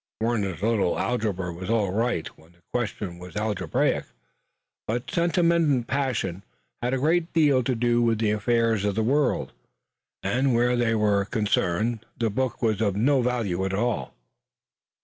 Warner's little algebra was all right, when the question was algebraic, but sentiment and passion had a great deal to do with the affairs of the world, and, where they were concerned, the book was of no value at all.